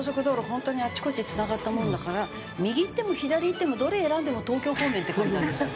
本当にあっちこっちつながったもんだから右行っても左行ってもどれ選んでも東京方面って感じなんですよ。